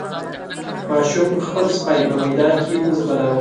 ماشوم خپل سپی په ميدان کې وځغلاوه.